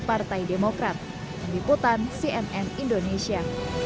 partai demokrat meliputan cnn indonesia